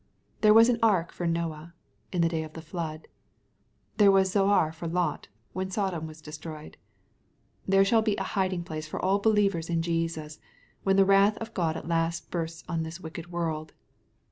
There was an ark for Noah, in the day of the flood. There was a Zoar for Lot, when Sodom was destroyed. There shall be a hiding place for all believers in Jesus, when the wrath of God at last buret 8 on this wicked world.